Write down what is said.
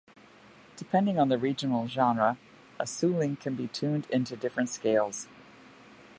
Depending on the regional genre, a suling can be tuned into different scales.